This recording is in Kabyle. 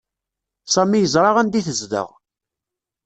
Sami yeẓra anda i tezdeɣ.